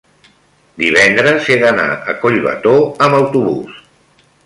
divendres he d'anar a Collbató amb autobús.